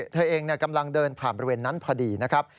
เธอเองกำลังเดินผ่านบริเวณนั้นพอดีนะครับ